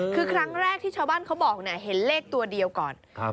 คือครั้งแรกที่ชาวบ้านเขาบอกเนี่ยเห็นเลขตัวเดียวก่อน